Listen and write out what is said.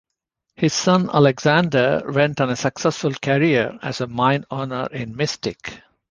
His son Alexander went on a successful career as a mine owner in Mystic.